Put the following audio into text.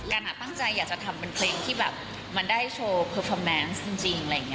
แกนปั้งใจอยากจะทำเพลงที่แบบมันได้โชว์เพอร์ฟอร์เมนต์จริง